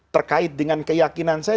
terkait dengan keyakinan saya